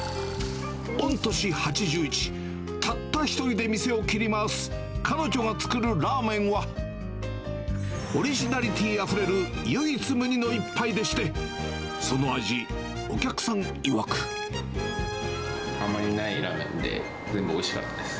御年８１、たった１人で店を切り回す、彼女が作るラーメンは、オリジナリティーあふれる唯一無二の一杯でして、その味、あまりないラーメンで、全部おいしかったです。